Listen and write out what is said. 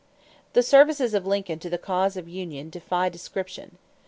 = The services of Lincoln to the cause of union defy description.